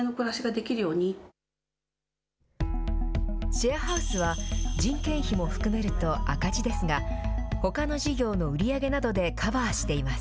シェアハウスは、人件費も含めると赤字ですが、ほかの事業の売り上げなどでカバーしています。